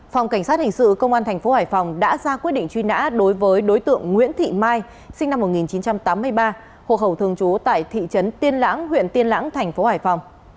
phòng cảnh sát hình sự công an tp hải phòng đã ra quyết định truy nã đối với đối tượng nguyễn thị mai sinh năm một nghìn chín trăm tám mươi ba hộ khẩu thường trú tại thị trấn tiên lãng huyện tiên lãng thành phố hải phòng